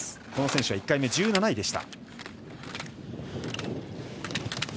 この選手は１回目１７位。